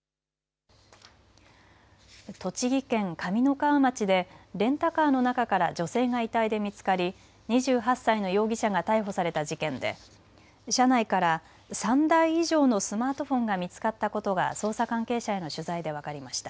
栃木県上三川町でレンタカーの中から女性が遺体で見つかり２８歳の容疑者が逮捕された事件で車内から３台以上のスマートフォンが見つかったことが捜査関係者への取材で分かりました。